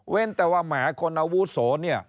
เว้นแต่ว่าแหมคนอาวุศโห